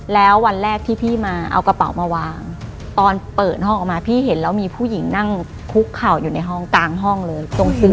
แล้ววันแรกที่พี่มาเอากระเป๋ามาวางตอนเปิดห้องออกมาพี่เห็นแล้วมีผู้หญิงนั่งคุกเข่าอยู่ในห้องกลางห้องเลย